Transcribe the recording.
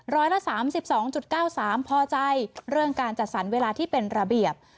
ร้อยละ๓๒๙๓พอใจเรื่องการจัดสรรเวลาที่เป็นระเบียบ